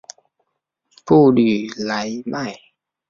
布吕莱迈。